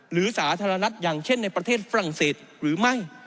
สาธารณะอย่างเช่นในประเทศฝรั่งเศสหรือไม่